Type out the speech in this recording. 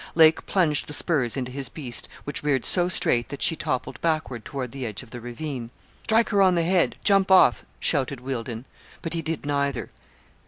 Lake plunged the spurs into his beast, which reared so straight that she toppled backward toward the edge of the ravine. 'Strike her on the head; jump off,' shouted Wealdon. But he did neither.